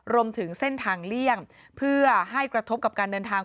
รวมถึงเส้นทางเลี่ยงเพื่อให้กระทบกับการเดินทาง